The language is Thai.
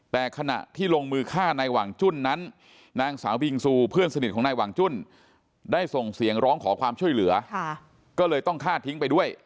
แต่ขณะที่ลงมือฆ่าในหวังจุ้นนั้นนางสาวบิงซูเพื่อนสนิทของนายหวังจุ้นได้ส่งเสียงร้องขอความช่วยเหลือก็เลยต้องฆ่าทิ้งไปด้วย